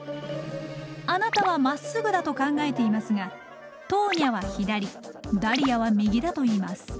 あなたはまっすぐだと考えていますがトーニャは左ダリアは右だと言います。